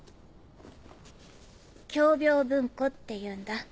「共病文庫」っていうんだ。